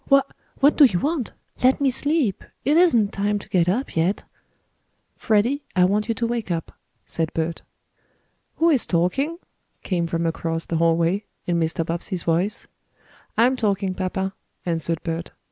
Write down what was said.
Wha what do you want? Let me sleep! It isn't time to get up yet." "Freddie, I want you to wake up," said Bert. "Who is talking?" came from across the hallway, in Mr. Bobbsey's voice. "I'm talking, papa," answered Bert.